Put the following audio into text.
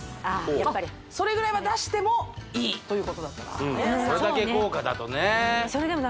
やっぱりそれぐらいは出してもいいということだったんですよね